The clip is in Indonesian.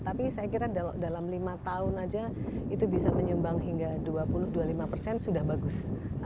tapi saya kira dalam lima tahun saja itu bisa menyumbang hingga dua puluh dua puluh lima persen sudah bagus